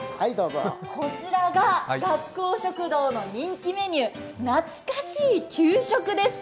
こちらが学校食堂の人気メニュー、なつかしい給食です。